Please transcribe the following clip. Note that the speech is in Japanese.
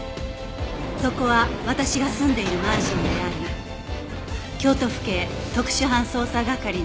そこは私が住んでいるマンションであり京都府警特殊犯捜査係の玉城詩津